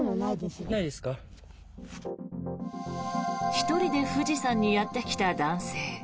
１人で富士山にやってきた男性。